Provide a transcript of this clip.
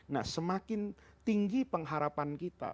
nah semakin tinggi pengharapan kita